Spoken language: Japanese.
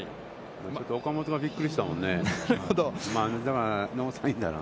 岡本がびっくりしてたもんね、だから。